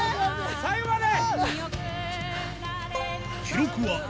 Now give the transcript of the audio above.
最後まで！